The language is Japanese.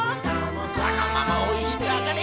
そのままおいしくあがれ！